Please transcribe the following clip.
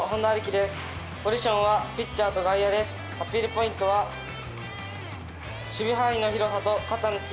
ポイントは守備範囲の広さと肩の強さです。